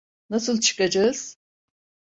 Nasıl çıkacağız?